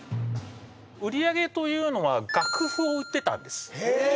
売り上げというのは楽譜を売ってたんですえっ！